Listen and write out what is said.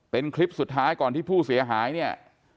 เป็นคลิปสุดท้ายก่อนที่ผู้เสียหายเนี่ย